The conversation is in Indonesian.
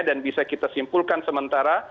dan bisa kita simpulkan sementara